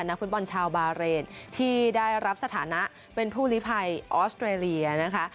นักฟุตบอลชาวบาเรนที่ได้รับสถานะเป็นผู้ลิภัยออสเตรเลียนะคะ